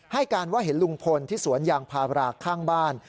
ให้การว่าเห็นลุงพลที่สวนยางพาราข้างบ้าน